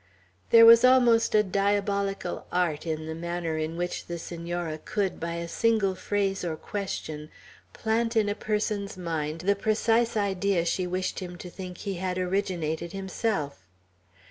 There was almost a diabolical art in the manner in which the Senora could, by a single phrase or question, plant in a person's mind the precise idea she wished him to think he had originated himself.